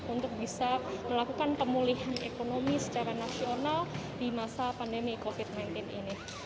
untuk bisa melakukan pemulihan ekonomi secara nasional di masa pandemi covid sembilan belas ini